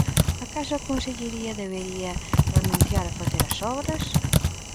¿Acaso a Consellería debería renunciar a facer as obras?